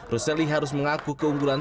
roseli harus mengaku keunggulan